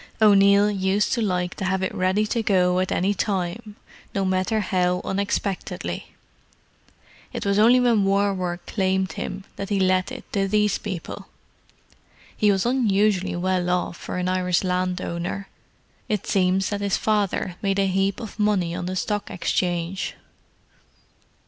O'Neill used to like to have it ready to go to at any time, no matter how unexpectedly. It was only when War work claimed him that he let it to these people. He was unusually well off for an Irish landowner; it seems that his father made a heap of money on the Stock Exchange."